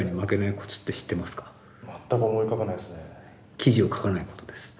記事を書かないことです。